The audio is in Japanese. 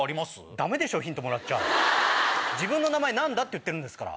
ダメでしょヒントもらっちゃ自分の名前言ってるんですから。